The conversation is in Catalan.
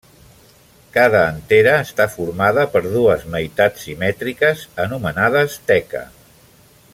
Cada antera està formada per dues meitats simètriques anomenades teca.